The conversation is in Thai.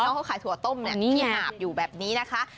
เขาขายถั่วต้มที่หาบอยู่แบบนี้นะคะ